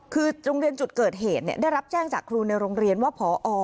คือโรงเรียนจุดเกิดเหตุได้รับแจ้งจากครูในโรงเรียนว่าพอ